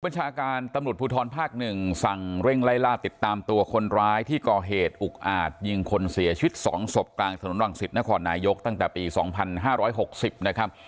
บัญชาการตำรุดภูทรภาคหนึ่งสั่งเร่งไล่ลาติดตามตัวคนร้ายที่ก่อเหตุอุกอาจยิงคนเสียชิดสองศพกลางถนนรังสิทธิ์นครนายกตั้งแต่ปีสองพันห้าร้อยหกสิบนะครับ